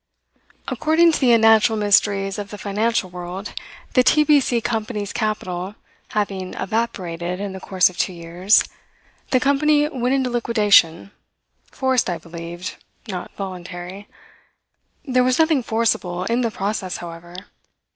According to the unnatural mysteries of the financial world, the T. B. C. Company's capital having evaporated in the course of two years, the company went into liquidation forced, I believe, not voluntary. There was nothing forcible in the process, however.